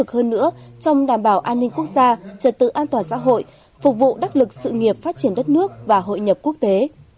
hơn nữa trong đảm bảo an ninh quốc gia trật tự an toàn xã hội phục vụ đắc lực sự nghiệp phát triển đất nước và hội nhập quốc tế